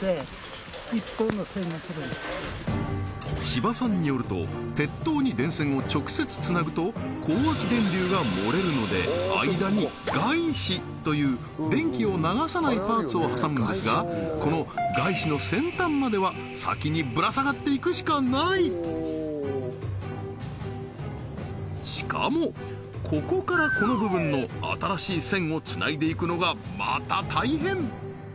千葉さんによると鉄塔に電線を直接つなぐと高圧電流が漏れるので間にがいしという電気を流さないパーツを挟むんですがこのがいしの先端までは先にぶら下がっていくしかないしかもここからこの部分の新しい線をつないでいくのがまた大変！